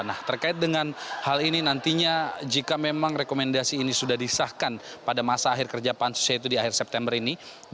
nah terkait dengan hal ini nantinya jika memang rekomendasi ini sudah disahkan pada masa akhir kerja pansus yaitu di akhir september ini